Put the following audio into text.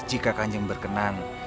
jika kanjeng berkenan